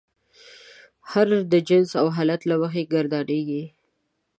هر د جنس او حالت له مخې ګردانیږي.